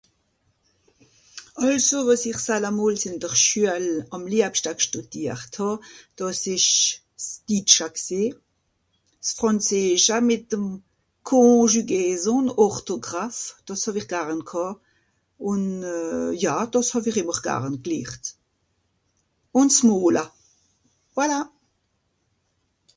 Àlso wàs ìch sallamols ìn dr Schüal àm liebschta gstùdiart hàà, dàs ìsch s'Ditscha gsìì, s'Frànzeescha mìt'm Conjugaison ùn Orthographe, dàs hàw-ìch garn ghàà, ùn euh... ja dàs hàw-ìch ìmmer garn glehrt. Ùn s'Mola. Voilà !